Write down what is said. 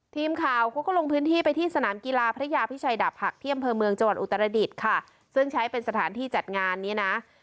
ทีมข่าวเขาก็ลงพื้นที่ไปที่สนามกีฬาพระยาพิชัยดาบหักที่อำเภอเมืองจังหวัดอุตรดิษฐ์ค่ะซึ่งใช้เป็นสถานที่จัดงานนี้นะ